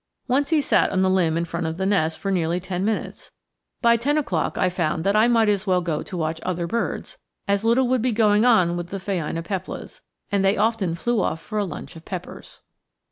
Once he sat on the limb in front of the nest for nearly ten minutes. By ten o'clock I found that I might as well go to watch other birds, as little would be going on with the phainopeplas; and they often flew off for a lunch of peppers.